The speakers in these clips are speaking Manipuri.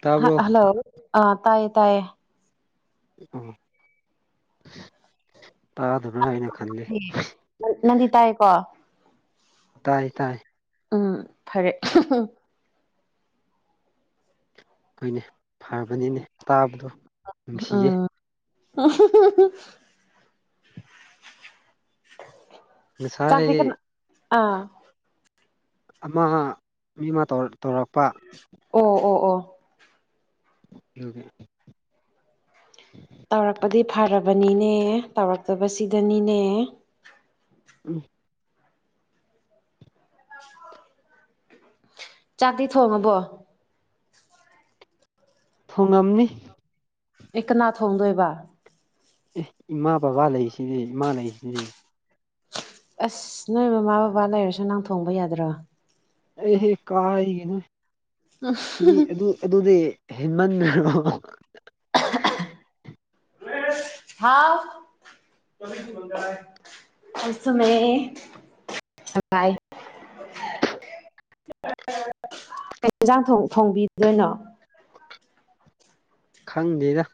ꯇꯥꯕ꯭ꯔꯣ ꯍꯜꯂꯣ ꯑ ꯇꯥꯏꯌꯦ ꯇꯥꯏꯌꯦ ꯑꯣ ꯇꯥꯗꯕꯔ꯭ꯍꯥꯏꯅ ꯈꯟꯂꯤ ꯅꯪꯗꯤ ꯇꯥꯏꯀꯣ ꯇꯥꯏ ꯇꯥꯏ ꯎꯝ ꯐꯔꯦ ꯎꯝ ꯍꯣꯏꯅꯦ ꯐꯕꯅꯤꯅꯦ ꯇꯥꯕꯗꯣ ꯅꯨꯡꯁꯤꯌꯦ ꯑꯍꯝ ꯉꯁꯥꯏ ꯑꯃ ꯃꯤ ꯑꯃ ꯇꯧ ꯇꯧꯔꯛꯄ ꯑꯣ ꯑꯣ ꯑꯣ [unintelligible] ꯇꯧꯔꯛꯄꯗꯤ ꯐꯔꯕꯅꯤꯅꯦ ꯇꯧꯔꯛꯇꯕꯁꯤꯗꯅꯤꯅꯦ ꯎꯝ ꯆꯥꯛꯇꯤ ꯊꯣꯡꯉꯕꯣ ꯊꯣꯡꯉꯝꯅꯤ ꯑꯩ ꯀꯅꯥ ꯊꯣꯡꯗꯣꯏꯕ ꯑꯦ ꯏꯃꯥ ꯕꯕꯥ ꯂꯩꯁꯤꯗꯤ ꯏꯃꯥ ꯂꯩꯔꯤꯁꯤꯅꯦ ꯑꯁ ꯅꯣꯏ ꯃꯃꯥ ꯕꯕꯥ ꯂꯩꯔꯁꯨ ꯅꯪ ꯊꯣꯡꯕ ꯌꯥꯗ꯭ꯔꯣ ꯑꯩꯍꯦ ꯀꯥꯏꯒꯤꯅꯣꯗꯤ ꯍꯥꯏꯗꯤ ꯑꯗꯨ ꯑꯗꯨꯗꯤ ꯍꯦꯟꯃꯟꯗꯔꯣ [unintelligible] ꯍꯥꯎ [unintelligible] [unintelligible] [unintelligible] ꯀꯩ ꯏꯟꯁꯥꯡ ꯊꯣꯡ ꯊꯣꯡꯕꯤꯗꯣꯏꯅꯣ ꯈꯪꯗꯦꯗ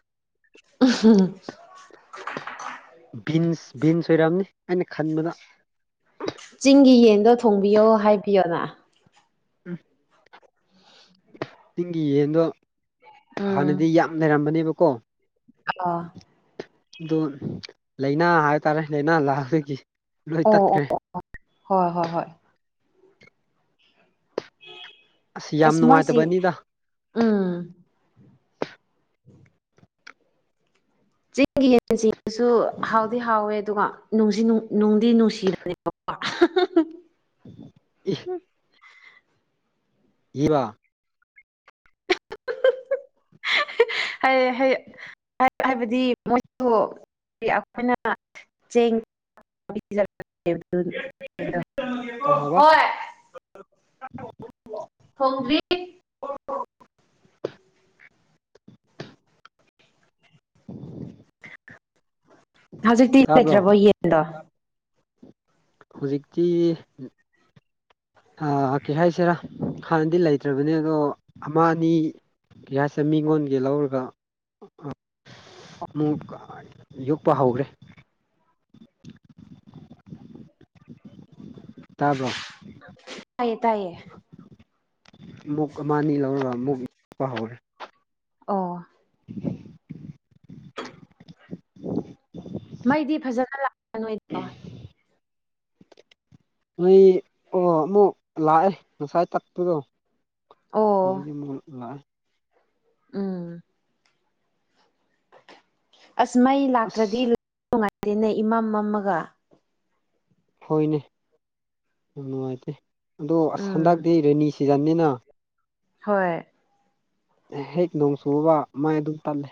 [inaudible] ꯕꯤꯟꯁ ꯕꯤꯟꯁ ꯑꯣꯏꯔꯝꯅꯤ ꯑꯩꯅ ꯈꯟꯕꯗ ꯆꯤꯡꯒꯤ ꯌꯦꯟꯗꯣ ꯊꯣꯡꯕꯤꯌꯣ ꯍꯥꯏꯕꯤꯌꯣꯅ ꯎꯝ ꯆꯤꯡꯒꯤ ꯌꯦꯟꯗꯣ ꯎꯝ ꯍꯥꯟꯅꯗꯤ ꯌꯥꯝ ꯂꯩꯔꯝꯕꯅꯦꯕꯀꯣ ꯑ ꯑꯗꯨ ꯂꯥꯏꯅꯥ ꯍꯥꯏꯕ ꯇꯥꯔꯦ ꯂꯥꯏꯅꯥ ꯂꯥꯛꯑꯗꯒꯤ ꯂꯣꯏꯅ ꯇꯠꯈ꯭ꯔꯦ ꯍꯣ ꯍꯣꯏ ꯍꯣꯏ ꯌꯥꯝ ꯑꯁ ꯃꯣꯏꯁꯤ ꯅꯨꯡꯉꯥꯏꯇꯕꯅꯤꯗ ꯎꯝ [unintelligible] ꯆꯤꯡꯒꯤ ꯌꯦꯟ ꯁꯤꯡꯁꯨ ꯍꯥꯎꯗꯤ ꯍꯥꯎꯋꯦ ꯑꯗꯨꯒ ꯅꯨꯡꯗꯤ ꯅꯨꯡꯁꯤꯕꯅꯦꯕꯀꯣ [unintelligible] [unintelligible] ꯏ [unintelligible] [unintelligible] ꯍꯥꯏꯌꯦ ꯍꯥꯏꯌꯦ [unintelligible] ꯍꯥꯏꯕꯗꯤ ꯃꯣꯏꯁꯨ ꯑꯩꯈꯣꯏꯅ ꯆꯦꯡ ꯀꯩ [unintelligible] ꯍꯥꯏꯕ ꯍꯣꯏ [unintelligible] ꯊꯣꯡꯗ꯭ꯔꯤ ꯍꯧꯖꯤꯛꯇꯤ ꯇꯥꯕ꯭ꯔꯣ ꯂꯩꯇ꯭ꯔꯕꯣ ꯌꯦꯟꯗꯣ ꯍꯧꯖꯤꯛꯇꯤ ꯀꯩ ꯍꯥꯏꯁꯤꯔꯥ ꯍꯥꯟꯅꯗꯤ ꯂꯩꯇ꯭ꯔꯕꯅꯦ ꯑꯗꯣ ꯑꯃ ꯑꯅꯤ ꯒꯤꯌꯁꯁꯦ ꯃꯤꯉꯣꯟꯒꯤ ꯂꯧꯔꯒ ꯑ ꯑꯃꯨꯛ ꯌꯨꯛꯄ ꯍꯧꯈ꯭ꯔꯦ ꯇꯥꯕ꯭ꯔꯣ [unintelligible] ꯇꯥꯏꯌꯦ ꯇꯥꯏꯌꯦ ꯃꯨꯛ ꯑꯃ ꯑꯅꯤ ꯂꯧꯔꯒ ꯃꯨꯛ ꯂꯄ ꯍꯧꯔꯦ ꯑꯣ ꯃꯩꯗꯤ ꯐꯖꯅ ꯂꯥꯛꯄ ꯅꯣꯏꯗꯣ [inaudible] ꯅꯣꯏ ꯑꯣ ꯑꯃꯨꯛ ꯂꯥꯛꯑꯦ ꯉꯁꯥꯏ ꯇꯛꯄꯗꯣ ꯑꯣ ꯍꯧꯖꯤꯛꯇꯤ ꯃꯨꯛ ꯂꯥꯛꯑꯦ ꯎꯝ ꯑꯁ ꯃꯩ ꯂꯥꯛꯇ꯭ꯔꯗꯤ ꯑꯁ ꯅꯨꯡꯉꯥꯏꯇꯦꯅꯦ ꯏꯃꯝ ꯃꯝꯒ ꯍꯣꯏꯅꯦ ꯌꯥꯝ ꯅꯨꯡꯉꯥꯏꯇꯦ ꯑꯗꯣ ꯑꯁ ꯎꯝ ꯍꯟꯗꯛꯇꯤ ꯔꯦꯅꯤ ꯁꯤꯖꯟꯅꯤꯅ ꯍꯣꯏ ꯍꯦꯛ ꯅꯣꯡ ꯆꯨꯔꯕ ꯃꯩ ꯑꯗꯨꯝ ꯇꯜꯂꯦ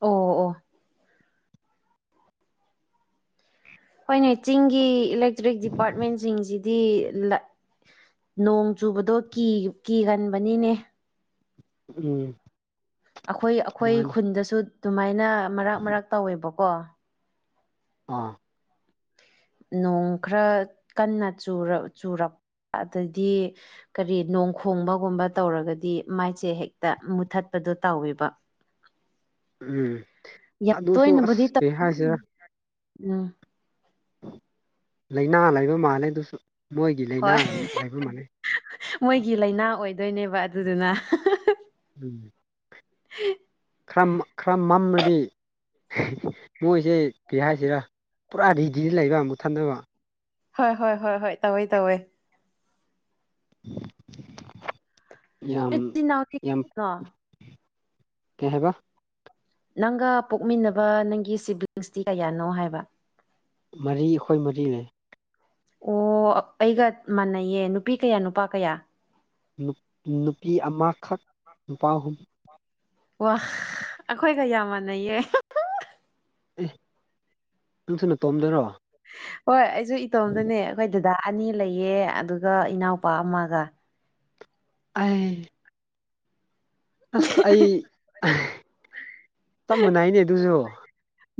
ꯑꯣ ꯑꯣ ꯑꯩꯈꯣꯏꯅꯦ ꯆꯤꯡꯒꯤ ꯏꯂꯦꯛꯇ꯭ꯔꯤꯛ ꯗꯤꯄꯥꯔꯠꯃꯦꯟꯁꯤꯡꯁꯤ ꯗꯤ ꯅꯣꯡ ꯆꯨꯕꯗꯣ ꯀꯤꯒꯟꯕꯅꯤꯅꯦ ꯎꯝ ꯑꯩꯈꯣꯏ ꯑꯩꯈꯣꯏ ꯃꯥꯅꯤ ꯈꯨꯟꯗꯁꯨ ꯑꯗꯨꯃꯥꯏꯅ ꯃꯔꯛ ꯃꯔꯛ ꯇꯧꯋꯦꯕꯀꯣ ꯎꯝ ꯅꯣꯡ ꯈꯔ ꯀꯟꯅ ꯆꯨꯔꯛ ꯑꯗꯩꯗꯤ ꯀꯔꯤ ꯅꯣꯡ ꯈꯣꯡꯕꯒꯨꯝꯕ ꯇꯧꯔꯒꯗꯤ ꯃꯥꯏꯁꯦ ꯍꯦꯛꯇ ꯃꯨꯊꯠꯄꯗꯣ ꯇꯧꯋꯦꯕ ꯎꯝ ꯌꯥꯝ ꯑꯗꯨꯁꯨ ꯑꯁ ꯇꯣꯏꯅꯕꯨꯗꯤ ꯇꯧ ꯀ ꯍꯥꯏꯁꯤꯔ ꯎꯝ ꯂꯥꯏꯅꯥ ꯂꯩꯕ ꯃꯥꯜꯂꯦ ꯑꯗꯨꯁꯨ ꯃꯣꯏꯒꯤ ꯂꯥꯏꯅꯥ ꯍꯣꯏ ꯂꯩꯕ ꯃꯥꯜꯂꯦ ꯃꯣꯏꯒꯤ ꯂꯥꯏꯅꯥ ꯑꯣꯏꯗꯣꯏꯅꯦꯕ ꯑꯗꯨꯗꯨꯅ ꯎꯝ ꯍ ꯈꯔ ꯈꯔ ꯃꯝꯅꯗꯤ ꯃꯣꯏꯁꯦ ꯀꯩ ꯍꯥꯏꯁꯤꯔꯥ ꯄꯨꯔꯥ ꯔꯦꯗꯤꯗ ꯂꯩꯕ ꯑꯃꯨꯛ ꯊꯟꯗꯕ ꯍꯣꯏ ꯍꯣꯏ ꯍꯣꯏ ꯍꯣꯏ ꯇꯧꯋꯦ ꯇꯧꯋꯦ ꯌꯥꯝ ꯏꯆꯤꯜ ꯏꯅꯥꯎꯗꯤ ꯌꯥꯝ ꯀꯌꯥꯅꯣ ꯀꯩ ꯍꯥꯏꯕ ꯅꯪꯒ ꯄꯣꯛꯃꯤꯟꯅꯕ ꯅꯪꯒꯤ ꯁꯤꯕ꯭ꯂꯤꯡꯁꯇꯤ ꯀꯌꯥꯅꯣ ꯍꯥꯏꯕ ꯃꯔꯤ ꯑꯩꯈꯣꯏ ꯃꯔꯤ ꯂꯩ ꯑꯣ ꯑꯩꯒ ꯃꯥꯟꯅꯩꯌꯦ ꯅꯨꯄꯤ ꯀꯌꯥ ꯅꯨꯄꯥ ꯀꯌꯥ ꯅꯨꯄꯤ ꯑꯃꯈꯛ ꯅꯨꯄꯥ ꯑꯍꯨꯝ ꯋꯥ ꯑꯩꯈꯣꯏꯒ ꯌꯥꯝ ꯃꯥꯟꯅꯩꯌꯦ ꯑꯦ ꯅꯪꯁꯨ ꯅꯇꯣꯝꯗꯔꯣ ꯍꯣꯏ ꯑꯩꯁꯨ ꯏꯇꯣꯝꯗꯅꯦ ꯑꯩꯈꯣꯏ ꯗꯗꯥ ꯑꯅꯤ ꯂꯩꯌꯦ ꯑꯗꯨꯒ ꯏꯅꯥꯎꯄꯥ ꯑꯃꯒ ꯑ ꯑꯁ ꯑꯩ ꯆꯞ ꯃꯥꯟꯅꯥꯏꯅꯦ ꯑꯗꯨꯁꯨ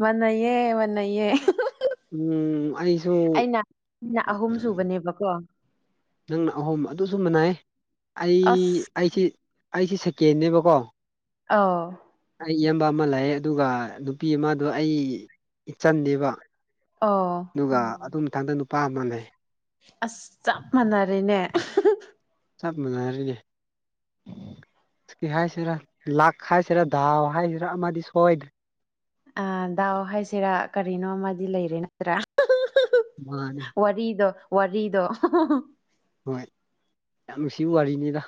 ꯃꯥꯟꯅꯩꯌꯦ ꯃꯥꯟꯅꯩꯌꯦ ꯎꯝ ꯑꯩꯁꯨ ꯑꯩꯅ ꯑꯩꯅ ꯑꯍꯨꯝ ꯁꯨꯕꯅꯦꯕꯀꯣ ꯅꯪꯅ ꯑꯍꯨꯝ ꯑꯗꯨꯁꯨ ꯃꯅꯥꯏ ꯑꯩ ꯑꯁ ꯑꯩꯁꯤꯦ ꯑꯩꯁꯤꯦ ꯁꯦꯀꯦꯟꯅꯦꯕꯀꯣ ꯑꯥꯎ ꯑꯩ ꯏꯌꯥꯝꯕ ꯑꯃ ꯂꯩꯌꯦ ꯑꯗꯨꯒ ꯅꯨꯄꯤ ꯑꯃꯗꯣ ꯑꯩ ꯏꯆꯟꯅꯦꯕ ꯑꯣ ꯑꯗꯨꯒ ꯑꯗꯨ ꯃꯊꯪꯗ ꯅꯨꯄꯥ ꯑꯃ ꯂꯩ ꯑꯁ ꯆꯞ ꯃꯥꯟꯅꯔꯦꯅꯦ ꯆꯞ ꯃꯥꯟꯅꯔꯦꯅꯦ ꯍꯥꯏꯁꯤꯔꯥ ꯂꯥꯛ ꯍꯥꯏꯁꯤꯔꯥ ꯗꯥꯎ ꯍꯥꯏꯁꯤꯔꯥ ꯑꯃꯗꯤ ꯁꯣꯏꯗ꯭ꯔ ꯑ ꯗꯥꯎ ꯍꯥꯏꯁꯤꯔꯥ ꯀꯔꯤꯅꯣ ꯑꯃꯗꯤ ꯂꯩꯔꯦ ꯅꯠꯇ꯭ꯔꯥ ꯃꯥꯅꯦ ꯋꯥꯔꯤꯗꯣ ꯋꯥꯔꯤꯗꯣ ꯍꯣꯏ ꯌꯥꯝ ꯅꯨꯡꯁꯤꯕ ꯋꯥꯔꯤꯅꯤꯗ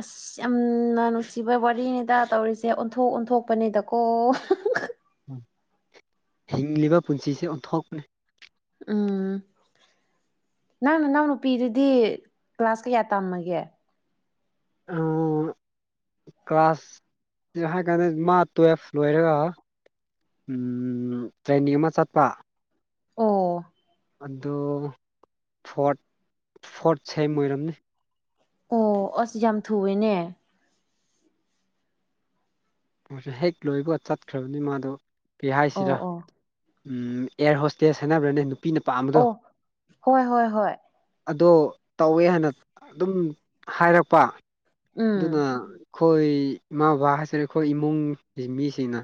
ꯑꯁ ꯑ ꯌꯥꯝꯅ ꯅꯨꯡꯁꯤꯕ ꯋꯥꯔꯤꯅꯤꯗ ꯇꯧꯔꯤꯁꯦ ꯑꯣꯟꯊꯣꯛ ꯑꯣꯟꯊꯣꯛꯄꯅꯤꯗꯀꯣ ꯎꯝ ꯍꯤꯡꯂꯤꯕ ꯄꯨꯟꯁꯤꯁꯦ ꯑꯣꯟꯊꯣꯛꯄꯅꯤ ꯎꯝ ꯅꯪ ꯅꯅꯥꯎ ꯅꯨꯄꯤꯗꯨꯗꯤ ꯀ꯭ꯂꯥꯁ ꯀꯌꯥ ꯇꯝꯃꯒꯦ ꯑ ꯀ꯭ꯂꯥꯁ ꯍꯥꯏ ꯀꯥꯟꯗ ꯃꯥ ꯇꯨꯌꯦꯜꯐ ꯂꯣꯏꯔꯒ ꯇ꯭ꯔꯦꯟꯅꯤꯡ ꯑꯃ ꯆꯠꯄ ꯑꯣ ꯑꯗꯨ ꯐꯣꯠ ꯐꯣꯠ ꯁꯦꯝ ꯑꯣꯏꯔꯝꯅꯤ ꯑꯣ ꯑꯁ ꯌꯥꯝ ꯊꯨꯑꯦꯅꯦ ꯍꯦꯛ ꯂꯣꯏꯕꯒ ꯆꯠꯈ꯭ꯔꯕꯅꯤ ꯃꯥꯗꯣ ꯄꯤ ꯑꯣ ꯍꯥꯏꯁꯤꯔꯥ ꯑꯣ ꯎꯝ ꯑꯦꯌꯥꯔ ꯍꯣꯁꯇꯦꯁ ꯍꯥꯏꯅꯕ꯭ꯔꯅꯦ ꯅꯨꯄꯤꯅ ꯄꯥꯝꯕꯗꯣ ꯑꯣ ꯍꯣꯏ ꯍꯣꯏ ꯍꯣꯏ ꯑꯗꯣ ꯇꯧꯋꯦ ꯍꯥꯏꯅ ꯑꯗꯨꯝ ꯍꯥꯏꯔꯛꯄ ꯑꯗꯨꯅ ꯎꯝ ꯑꯩꯈꯣꯏ ꯏꯃꯥ ꯕꯕꯥ ꯍꯥꯏꯁꯤꯔꯦ ꯑꯩꯈꯣꯏ ꯏꯃꯨꯡꯒꯤ ꯃꯤꯁꯤꯡꯅ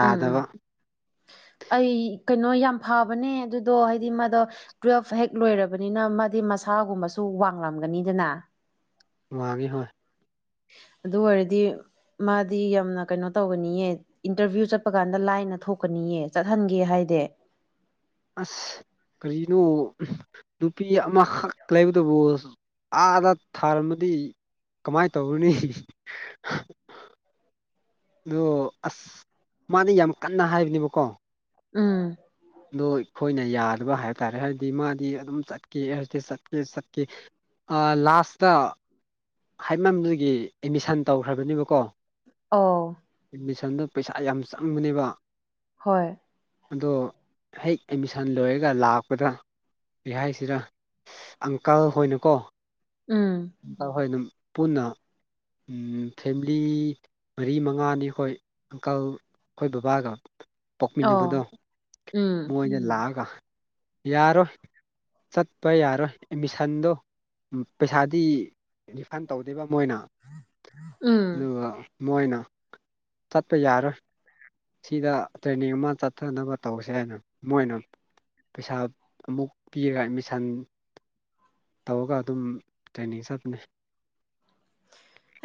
ꯎꯝ ꯎꯝ [inaudible] ꯑꯩ ꯀꯩꯅꯣ ꯌꯥꯝ ꯐꯕꯅꯦ ꯑꯗꯨꯗꯣ ꯍꯥꯏꯗꯤ ꯃꯥꯗꯣ ꯇꯨꯋꯦꯜꯐ ꯍꯦꯛ ꯂꯣꯏꯔꯕꯅꯤꯅ ꯃꯥꯗꯤ ꯃꯁꯥꯒꯨꯝꯕꯁꯨ ꯋꯥꯡꯂꯝꯒꯅꯤꯗꯅ ꯋꯥꯒꯤ ꯍꯣꯏ ꯑꯗꯨ ꯑꯣꯏꯔꯗꯤ ꯃꯥꯗꯤ ꯌꯥꯝꯅ ꯀꯩꯅꯣ ꯇꯧꯒꯅꯤꯌꯦ ꯏꯟꯇꯔꯚꯤꯌꯨ ꯆꯠꯄ ꯀꯥꯟꯗ ꯂꯥꯏꯅ ꯊꯣꯛꯀꯅꯤꯌꯦ ꯆꯠꯍꯟꯒꯦ ꯍꯥꯏꯗꯤ ꯑꯁ ꯀꯔꯤꯅꯣ ꯅꯨꯄꯤ ꯑꯃꯈꯛ ꯂꯩꯕꯇꯕꯨ ꯑꯥꯗ ꯊꯥꯔꯝꯃꯗꯤ ꯀꯃꯥꯏꯅ ꯇꯧꯔꯨꯅꯤ ꯑꯗꯣ ꯑꯁ ꯃꯥꯗꯤ ꯌꯥꯝ ꯀꯟꯅ ꯍꯥꯏꯕꯅꯦꯕꯀꯣ ꯎꯝ ꯑꯗꯣ ꯑꯩꯈꯣꯏꯅ ꯌꯥꯗꯕ ꯍꯥꯏꯕ ꯇꯥꯔꯦ ꯍꯥꯏꯗꯤ ꯃꯥꯗꯤ ꯑꯗꯨꯝ ꯆꯠꯀꯦ ꯑꯦꯇꯤ ꯆꯠꯀꯦ ꯆꯠꯀꯦ ꯑ ꯂꯥꯁꯇ ꯍꯥꯏꯃꯝꯗꯨꯒꯤ ꯑꯦꯠꯃꯤꯁꯟ ꯇꯧꯈ꯭ꯔꯕꯅꯦꯕꯀꯣ ꯑꯣ ꯑꯦꯠꯃꯤꯁꯟꯗꯣ ꯄꯩꯁꯥ ꯌꯥꯝ ꯆꯪꯕꯅꯦꯕ ꯍꯣꯏ ꯑꯗꯣ ꯍꯦꯛ ꯑꯦꯠꯃꯤꯁꯟ ꯂꯣꯏꯔꯒ ꯂꯥꯛꯄꯗ ꯂꯩꯍꯥꯏꯁꯤꯗ ꯑꯪꯀꯜ ꯍꯣꯏꯅꯀꯣ ꯑꯪꯀꯜ ꯍꯣꯏꯅ ꯄꯨꯟꯅ ꯎꯝ ꯐꯦꯃꯤꯂꯤ ꯃꯔꯤ ꯃꯉꯥꯅꯤ ꯑꯩꯈꯣꯏ ꯑꯪꯀꯜ ꯑꯩꯈꯣꯏ ꯕꯕꯥꯒ ꯄꯣꯛꯄꯤꯅꯕꯗꯣ ꯃꯣꯏꯅ ꯂꯥꯛꯑꯒ ꯌꯥꯔꯣꯏ ꯆꯠꯄ ꯌꯥꯔꯣꯏ ꯑꯦꯠꯃꯤꯁꯟꯗꯣ ꯄꯩꯁꯥꯗꯤ ꯔꯤꯐꯟ ꯇꯧꯗꯦꯕ ꯃꯣꯏꯅ ꯑꯗꯨꯒ ꯃꯣꯏꯅ ꯆꯠꯄ ꯌꯥꯔꯣꯏ ꯁꯤꯗ ꯇ꯭ꯔꯦꯟꯅꯤꯡ ꯑꯃ ꯆꯠꯊꯅꯕ ꯇꯧꯁꯦ ꯍꯥꯏꯅ ꯃꯣꯏꯅ ꯄꯩꯁꯥ ꯑꯃꯨꯛ ꯄꯤꯔꯒ ꯑꯦꯠꯃꯤꯁꯟ ꯇꯧꯔꯒ ꯑꯗꯨꯝ ꯇ꯭ꯔꯦꯅꯤꯡ ꯆꯠꯄꯅꯦ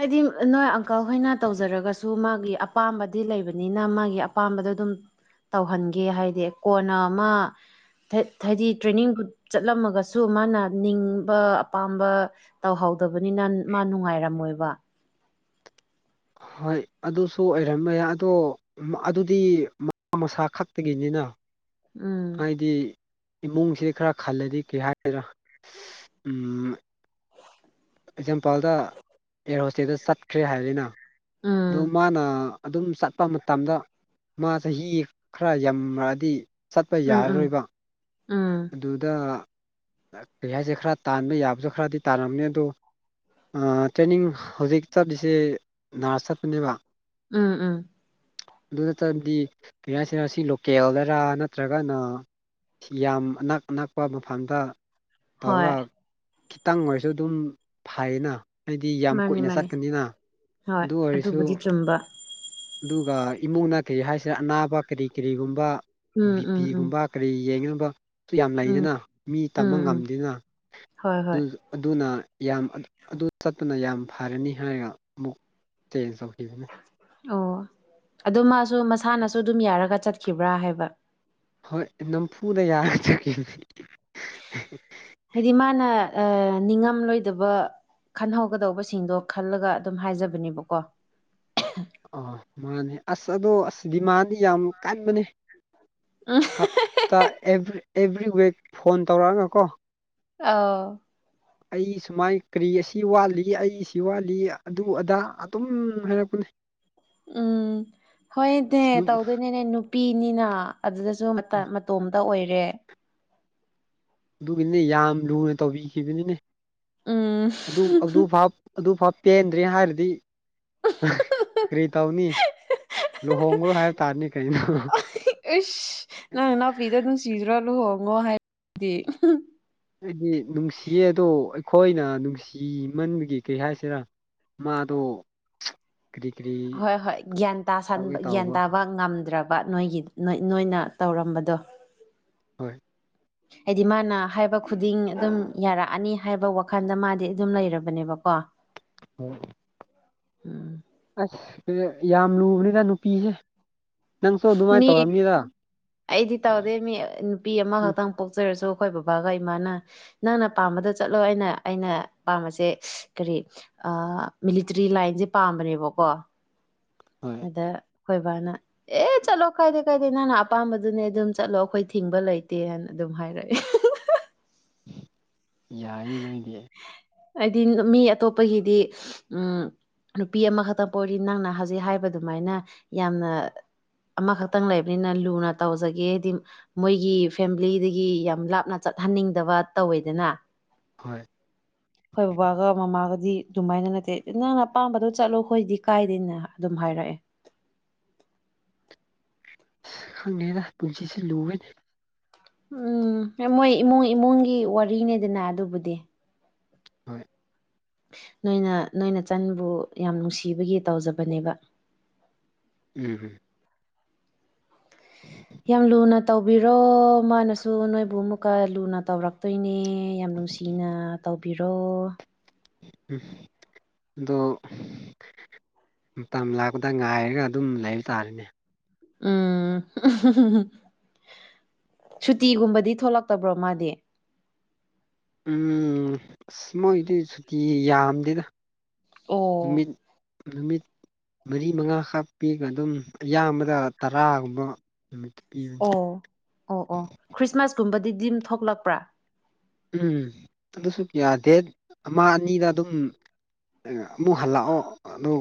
ꯍꯥꯏꯗꯤ ꯅꯣꯏ ꯑꯪꯀꯜ ꯍꯣꯏꯅ ꯇꯧꯖꯔꯒꯁꯨ ꯃꯥꯒꯤ ꯑꯄꯥꯝꯕꯗꯤ ꯂꯩꯕꯅꯤꯅ ꯃꯥꯒꯤ ꯑꯄꯥꯝꯕꯗꯣ ꯑꯗꯨꯝ ꯇꯧꯍꯟꯒꯦ ꯍꯥꯏꯗꯤ ꯀꯣꯟꯅ ꯑꯃ ꯍꯥꯏꯗꯤ ꯇ꯭ꯔꯦꯅꯤꯡ ꯆꯠꯂꯝꯃꯒꯁꯨ ꯃꯥꯅ ꯅꯤꯡꯕ ꯑꯄꯥꯝꯕ ꯇꯧꯍꯧꯗꯕꯅꯤꯅ ꯃꯥ ꯅꯨꯡꯉꯥꯏꯔꯝꯃꯣꯏꯕ ꯍꯣꯏ ꯑꯗꯨꯁꯨ ꯑꯣꯏꯔꯝꯕ ꯌꯥꯏ ꯑꯗꯣ ꯑꯗꯨꯗꯤ ꯃꯥ ꯃꯁꯥ ꯈꯛꯇꯒꯤꯅꯤꯗ ꯎꯝ ꯍꯥꯏꯗꯤ ꯏꯃꯨꯡꯁꯤꯗꯤ ꯈꯔ ꯈꯜꯂꯗꯤ ꯀꯩ ꯍꯥꯏꯗ꯭ꯔꯥ ꯑꯦꯛꯖꯥꯝꯄꯥꯜꯗ ꯑꯦꯔ ꯍꯣꯁꯇꯦꯜꯗ ꯆꯠꯈ꯭ꯔꯦ ꯍꯥꯏꯕꯅꯤꯅ ꯑꯗꯣ ꯎꯝ ꯃꯥꯅ ꯑꯗꯨꯝ ꯆꯠꯄ ꯃꯇꯝꯗ ꯃꯥ ꯆꯍꯤ ꯈꯔ ꯌꯥꯝꯃꯛꯑꯗꯤ ꯆꯠꯄ ꯎꯝ ꯎꯝ ꯌꯥꯔꯔꯣꯏꯕ ꯎꯝ ꯑꯗꯨꯗ ꯀꯔꯤ ꯍꯥꯏꯁꯦ ꯈꯔ ꯇꯥꯟꯕ ꯌꯥꯕꯗ ꯈꯔꯗꯤ ꯇꯥꯔꯝꯅꯤ ꯑꯗꯣ ꯇ꯭ꯔꯦꯅꯤꯡ ꯍꯧꯖꯤꯛ ꯆꯠꯂꯤꯁꯦ ꯅꯅꯥꯔꯁ ꯆꯠꯄꯅꯦꯕ ꯎꯝ ꯎꯝ ꯑꯗꯨ ꯅꯠꯇ꯭ꯔꯕꯗꯤ ꯀꯔꯤꯍꯥꯏꯁꯤꯔꯁꯤ ꯂꯣꯀꯦꯜꯗꯔꯥ ꯅꯠꯇ꯭ꯔꯒꯅ ꯌꯥꯝ ꯑꯅꯛ ꯑꯅꯛꯄ ꯃꯐꯝꯗ ꯍꯣꯏ ꯇꯧꯔꯒ ꯈꯤꯇꯪ ꯑꯣꯏꯔꯁꯨ ꯑꯗꯨꯝ ꯐꯅ ꯍꯥꯏꯗꯤ ꯌꯥꯝ ꯃꯥꯅꯤ ꯀꯨꯏꯅ ꯃꯥꯅꯤ ꯆꯠꯀꯅꯤꯅ ꯑꯗꯨ ꯑꯣꯏꯔꯁꯨ ꯇꯨꯝꯝꯕ ꯑꯗꯨꯒ ꯏꯃꯨꯡꯅ ꯀꯔꯤ ꯍꯥꯏꯁꯤꯔ ꯑꯅꯥꯕ ꯀꯔꯤ ꯀꯔꯤꯒꯨꯝꯕ ꯎꯝ ꯎꯝ ꯎꯝ ꯕꯤꯄꯤꯒꯨꯝꯕ ꯀꯔꯤ ꯌꯦꯡꯅꯅꯕꯁꯨ ꯌꯥꯝ ꯎꯝ ꯂꯩꯗꯅ ꯃꯤ ꯇꯝꯕ ꯎꯝ ꯎꯝ ꯉꯝꯗꯦꯅ ꯍꯣꯏ ꯑꯗꯨ ꯍꯣꯏ ꯑꯗꯨꯅ ꯌꯥꯝ ꯑꯗꯨ ꯆꯠꯇꯨꯅ ꯌꯥꯝ ꯐꯔꯅꯤ ꯍꯥꯏꯔꯒ ꯑꯃꯨꯛ ꯇꯖ ꯆꯧꯈꯤꯈꯤꯕꯒꯅꯦ꯫ ꯑꯣ ꯑꯗꯣ ꯃꯥꯁꯨ ꯃꯁꯥꯅꯁꯨ ꯑꯗꯨꯝ ꯌꯥꯔꯒ ꯆꯠꯈꯤꯕ꯭ꯔꯥ ꯍꯥꯏꯕ ꯍꯣꯏ ꯅꯝꯐꯨꯗ ꯌꯥꯔ ꯆꯠꯀꯤ ꯍꯥꯏꯗꯤ ꯃꯥꯅ ꯑ ꯅꯤꯡꯉꯝꯂꯣꯏꯗꯕ ꯈꯟꯍꯧꯒꯗꯧꯕꯁꯤꯡꯗꯣ ꯈꯜꯂꯒ ꯑꯗꯨꯝ ꯍꯥꯏꯖꯕꯅꯦꯕꯀꯣ ꯑ ꯃꯥꯅꯦ ꯑꯁ ꯑꯗꯣ ꯑꯁ ꯗꯤꯃꯥꯟꯗꯤ ꯌꯥꯝ ꯀꯟꯕꯅꯦ꯫ ꯎꯝ ꯍꯥꯞꯇꯥ ꯑꯦꯚ꯭ꯔꯤ ꯑꯦꯚ꯭ꯔꯝ ꯋꯤꯛ ꯐꯣꯟ ꯇꯧꯔꯛꯑꯒꯀꯣ ꯑꯣ ꯑꯩ ꯁꯨꯃꯥꯏ ꯀꯔꯤ ꯑꯁꯤ ꯋꯥꯠꯂꯤ ꯑꯩꯁꯤ ꯋꯥꯠꯂꯤ ꯑꯗꯨ ꯑꯗꯥ ꯑꯗꯨꯝ ꯍꯥꯏꯔꯛꯄꯅꯦ꯫ ꯎꯝ ꯍꯣꯏꯅꯦ ꯇꯧꯗꯣꯏꯅꯦꯅꯦ꯫ ꯄꯤꯅꯤꯅ ꯑꯗꯨꯗꯁꯨ ꯃꯇꯣꯝꯇ ꯑꯣꯏꯔꯦ꯫ ꯑꯗꯨꯒꯤꯅꯦ ꯌꯥꯝ ꯂꯨꯅ ꯇꯧꯕꯤꯈꯤꯕꯅꯤꯅꯦ ꯎꯝ ꯑꯗꯨ ꯑꯗꯨꯚꯞ꯫ ꯑꯗꯨꯐꯥꯎ ꯄꯦꯟꯗ꯭ꯔꯦ ꯍꯥꯏꯔꯗꯤ ꯀꯔꯤ ꯇꯧꯅꯤ ꯂꯨꯍꯣꯡꯈ꯭ꯔꯣ ꯍꯥꯏꯕ ꯇꯥꯔꯅꯤ ꯀꯩꯅꯣ ꯏꯁ ꯅꯪ ꯅꯥꯎꯄꯤꯗ ꯅꯨꯡꯁꯤꯗ꯭ꯔꯣ ꯂꯨꯍꯣꯡꯉꯣ ꯍꯥꯏꯔꯗꯤ ꯍꯥꯏꯗꯤ ꯅꯨꯡꯁꯤꯌꯦ ꯑꯗꯣ ꯑꯩꯈꯣꯏꯅ ꯅꯨꯡꯁꯤꯃꯟꯕꯒꯤ ꯀꯩ ꯍꯥꯏꯁꯤꯔꯥ ꯃꯥꯗꯣ ꯀꯔꯤ ꯀꯔꯤ ꯍꯣꯏ ꯍꯣꯏ ꯒ꯭ꯌꯥꯟ ꯇꯧꯒꯦ ꯇꯥꯟꯕ ꯒ꯭ꯌꯥꯟ ꯇꯧꯕ ꯇꯥꯕ ꯉꯝꯗ꯭ꯔꯕ ꯕꯥꯠ ꯅꯣꯏꯒꯤ ꯅꯣꯏꯅ ꯇꯧꯔꯝꯕꯗꯣ ꯍꯣꯏ ꯍꯥꯏꯗꯤ ꯃꯥꯅ ꯍꯥꯏꯕ ꯈꯨꯗꯤꯡ ꯑꯗꯨꯝ ꯌꯥꯔꯛꯑꯅꯤ ꯍꯥꯏꯕ ꯋꯥꯈꯜꯗ ꯃꯥꯗꯤ ꯑꯗꯨꯝ ꯂꯩꯔꯕꯅꯦꯕꯀꯣ ꯍ ꯎꯝ ꯑꯁ ꯌꯥꯝ ꯂꯨꯕꯅꯤꯗ ꯅꯨꯄꯤꯁꯦ꯫ ꯅꯪꯁꯨ ꯑꯗꯨꯃꯥꯏꯅ ꯃꯤ ꯇꯧꯔꯝꯅꯤꯗ ꯑꯩꯗꯤ ꯇꯧꯗꯦ ꯃꯤ ꯅꯨꯄꯤ ꯎꯝ ꯑꯃꯈꯛꯇꯪ ꯄꯣꯛꯆꯔꯁꯨ ꯑꯩꯈꯣꯏ ꯕꯕꯥꯒ ꯏꯃꯥꯅ ꯅꯪꯅ ꯄꯥꯝꯕꯗ ꯆꯠꯂꯣ ꯑꯩꯅ ꯑꯩꯅ ꯄꯥꯝꯕꯁꯦ꯫ ꯀꯔꯤ ꯑꯥ ꯃꯤꯂꯤꯇ꯭ꯔꯤ ꯂꯥꯏꯟꯗꯤ ꯄꯥꯝꯕꯅꯦꯕꯀꯣ ꯍꯣꯏ ꯑ ꯗ ꯑꯩꯈꯣꯏꯕꯥꯅ ꯑꯦ ꯆꯠꯂꯣ ꯀꯥꯏꯗꯦ ꯀꯥꯏꯗꯦ ꯅꯪꯅ ꯑꯄꯥꯝꯕꯗꯨꯅꯦ ꯑꯗꯨꯝ ꯆꯠꯂꯣ ꯑꯩꯈꯣꯏ ꯊꯤꯡꯕ ꯂꯩꯇꯦꯅ ꯑꯗꯨꯝ ꯍꯥꯏꯔꯛꯑꯦ ꯌꯥꯏꯌꯦ ꯅꯣꯏꯗꯤ꯫ ꯍꯥꯏꯗꯤ ꯃꯤ ꯑꯇꯣꯞꯄꯒꯤꯗꯤ ꯎꯝ ꯅꯨꯄꯤ ꯑꯃꯈꯛꯇꯪ ꯄ ꯑꯣꯏꯔꯤ ꯅꯪꯅ ꯍꯧꯖꯤꯛ ꯍꯥꯏꯕ ꯑꯗꯨꯃꯥꯏꯅ ꯌꯥꯝꯅ ꯑꯃꯈꯛꯇꯪ ꯂꯩꯕꯅꯤꯅ ꯂꯨꯅ ꯇꯧꯖꯒꯦ ꯍꯥꯏꯗꯤ ꯃꯣꯏꯒꯤ ꯐꯦꯃꯤꯂꯤꯗꯒꯤ ꯌꯥꯝ ꯂꯥꯞꯅ ꯆꯠꯍꯟꯅꯤꯡꯗꯕ ꯇꯧꯋꯦꯗꯅ ꯍꯣꯏ ꯑꯩꯈꯣꯏ ꯕꯕꯥꯒ ꯃꯃꯥꯒꯗꯤ ꯑꯗꯨꯃꯥꯏꯅ ꯅꯠꯇꯦ ꯅꯪꯅ ꯑꯄꯥꯝꯕꯗꯣ ꯆꯠꯂꯣ ꯑꯩꯈꯣꯏꯗꯤ ꯀꯥꯏꯗꯦꯅ ꯑꯗꯨꯝ ꯍꯥꯏꯔꯛꯑꯦ꯫ ꯈꯪꯉꯦꯗ ꯄꯨꯟꯁꯤꯁꯦ ꯂꯨꯕꯅꯦ꯫ ꯎꯝ ꯃꯣꯏ ꯏꯃꯨꯡ ꯏꯃꯨꯡꯒꯤ ꯋꯥꯔꯤꯅꯦꯗꯅ ꯑꯗꯨꯕꯨꯗꯤ ꯍꯣꯏ ꯅꯣꯏꯅ ꯅꯣꯏ ꯅꯆꯟꯕꯨ ꯌꯥꯝ ꯅꯨꯡꯁꯤꯕꯒꯤ ꯇꯧꯖꯕꯅꯦꯕ ꯎꯝ ꯎꯝ ꯌꯥꯝ ꯂꯨꯅ ꯇꯧꯕꯤꯔꯣ ꯃꯥꯅꯁꯨ ꯅꯣꯏꯕꯨ ꯑꯃꯨꯛꯀ ꯂꯨꯅ ꯇꯧꯔꯛꯇꯣꯏꯅꯦ ꯌꯥꯝ ꯅꯨꯡꯁꯤꯅ ꯇꯧꯕꯤꯔꯣ ꯎꯝ ꯑꯣ ꯃꯇꯝ ꯂꯥꯛꯄꯗ ꯉꯥꯏꯔꯒ ꯑꯗꯨꯝ ꯂꯩꯕ ꯇꯥꯔꯦꯅꯦ ꯎꯝ ꯁꯨꯇꯤꯒꯨꯝꯕꯗꯤ ꯊꯣꯛꯂꯛꯇꯕ꯭ꯔꯣ ꯃꯥꯗꯤ ꯎꯝ ꯑꯁ ꯃꯣꯏꯗꯤ ꯁꯨꯇꯤ ꯌꯥꯝꯗꯦꯗ ꯑꯣ ꯅꯨꯃꯤꯠ ꯅꯨꯃꯤꯠ ꯃꯔꯤ ꯃꯉꯥꯈꯛ ꯄꯤꯒ ꯑꯗꯨꯝ ꯑꯌꯥꯝꯕꯗ ꯇꯔꯥꯒꯨꯝꯕ ꯄꯤꯕꯅꯤ ꯑꯣ ꯑꯣ ꯑꯣ ꯈ꯭ꯔꯤꯁꯃꯥꯁꯀꯨꯝꯕꯗꯤꯗꯤ ꯑꯗꯨꯝ ꯊꯣꯛꯂꯛꯄ꯭ꯔꯥ ꯎꯝ ꯑꯗꯨꯁꯨ ꯀꯌꯥꯗꯦ ꯑꯃ ꯑꯅꯤꯗ ꯑꯗꯨꯝ ꯑꯃꯨꯛ ꯍꯜꯂꯛꯑꯣ ꯑꯗꯨ